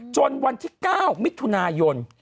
วันที่๙มิถุนายน